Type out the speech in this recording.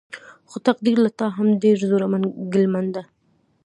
خو تقديره له تا هم ډېر زړونه ګيلمن دي.